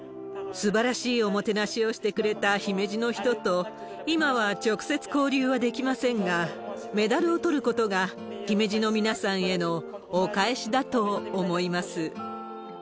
すばらしいおもてなしをしてくれた姫路の人と、今は直接交流はできませんが、メダルをとることが姫路の皆さんへのお返しだと思います。